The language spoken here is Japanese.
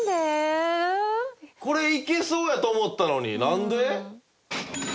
これいけそうやと思ったのになんで？